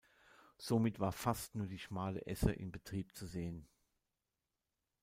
Somit war fast nur die schmale Esse in Betrieb zu sehen.